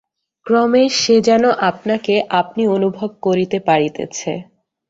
ক্রমে সে যেন আপনাকে আপনি অনুভব করিতে পারিতেছে।